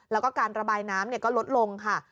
แล้วก็การระบายน้ำก็ลดลงค่ะ